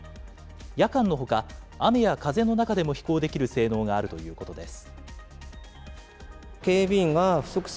夜間のほか、雨や風の中でも飛行できる性能があるということです。